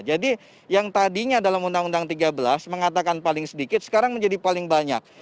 jadi yang tadinya dalam undang undang tiga belas mengatakan paling sedikit sekarang menjadi paling banyak